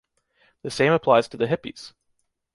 The same applies to the hippies.